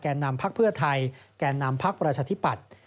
นำพักเพื่อไทยแก่นำพักประชาธิปัตย์